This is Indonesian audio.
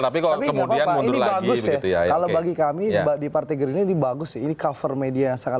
tapi kalau kemudian mundur lagi kalau bagi kami di partai ini bagus sih cover media yang sangat